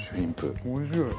おいしい。